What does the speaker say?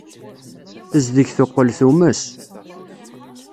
Tezdeg teqqel tumes.